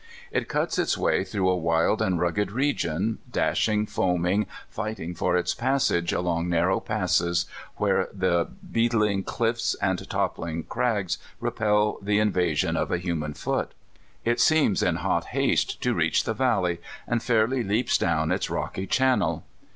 It cuts its w^ay througli a wild and rugged region, dashing, foaming, fighting for its passage ahmg nar row passes where the beetling cliffs and toppling 152 3Iy First California Camp vicetiiig. crags repel the invasion of a human foot. It seems in hot haste to reach the valley, and fairly leaps down its rocky channel.